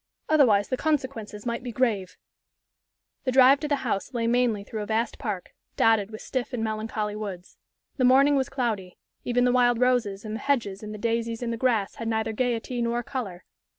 Otherwise the consequences might be grave." The drive to the house lay mainly through a vast park, dotted with stiff and melancholy woods. The morning was cloudy; even the wild roses in the hedges and the daisies in the grass had neither gayety nor color.